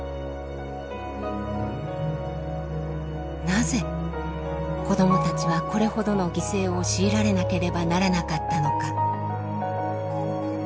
なぜ子どもたちはこれほどの犠牲を強いられなければならなかったのか。